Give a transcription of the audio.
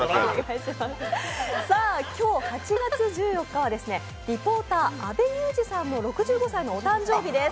今日、８月１４日はリポーター、阿部祐二さんの６５歳のお誕生日です。